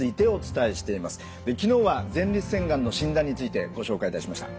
昨日は前立腺がんの診断についてご紹介いたしました。